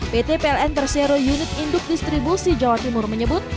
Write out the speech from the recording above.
pt pln persero unit induk distribusi jawa timur menyebut